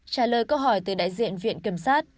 trả lời câu hỏi từ đại diện viện kiểm sát